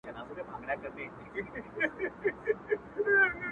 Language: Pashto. هغه لاره به تباه کړو لاس په لاس به مو تل یون وي٫